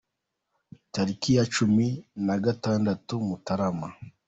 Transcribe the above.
Tariki ya cumi nagatandatu Mutarama